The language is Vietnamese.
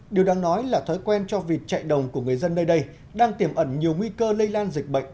điều đáng nói là thói quen cho vịt chạy đồng của người dân nơi đây đang tiềm ẩn nhiều nguy cơ lây lan dịch bệnh